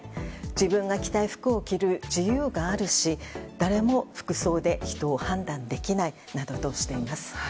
自分が着たい服を着る自由があるし誰も服装で人を判断できないなどとしています。